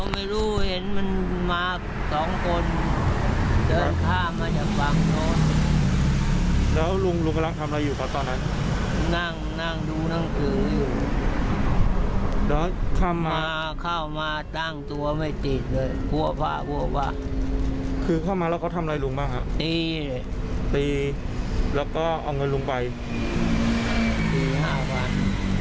คือเข้ามาแล้วก็ทำอะไรลุงบ้างครับปีเลยปีแล้วก็เอาเงินลุงไปสี่ห้าบาท